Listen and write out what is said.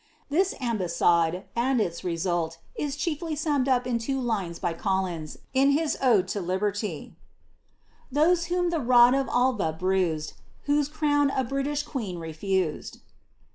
This ambas itde, and its result, is briefly summed up in two lines by Collins, in his CMe to Liberty :— "Those whom the rod of Alva bruised, Whose crown a British queen refused."